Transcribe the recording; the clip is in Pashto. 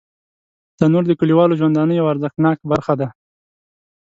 تنور د کلیوالو ژوندانه یوه ارزښتناکه برخه ده